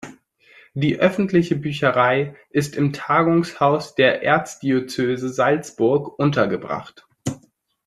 Die öffentliche Bücherei ist im Tagungshaus der Erzdiözese Salzburg untergebracht.